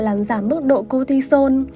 làm giảm mức độ cortisol